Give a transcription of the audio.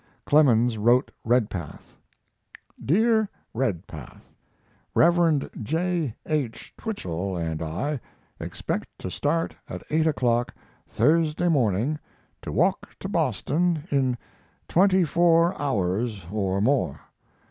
Clemens wrote Redpath: DEAR REDPATH, Rev. J. H. Twichell and I expect to start at 8 o'clock Thursday morning to walk to Boston in twenty four hours or more.